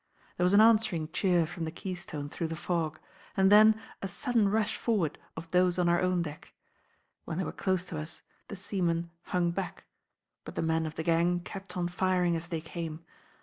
There was an answering cheer from the Keystone through the fog; and then a sudden rush forward of those on our own deck. When they were close to us, the seamen hung back; but the men of the gang kept on firing as they came.